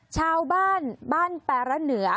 ชาวบ้านบ้านแปรเหนือ